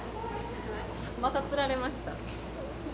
またつられました。